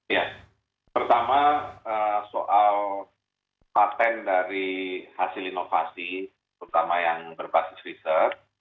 ya pertama soal patent dari hasil inovasi terutama yang berbasis riset